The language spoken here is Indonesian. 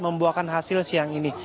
membuahkan hasil siang ini